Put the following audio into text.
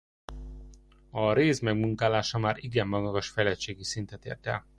A réz megmunkálása már igen magas fejlettségi szintet ért el.